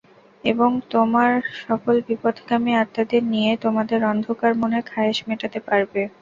এবং তোমরা সকল বিপথগামী আত্মাদের নিয়ে তোমাদের অন্ধকার মনের খায়েশ মেটাতে পারবে।